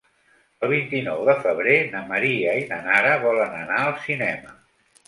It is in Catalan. El vint-i-nou de febrer na Maria i na Nara volen anar al cinema.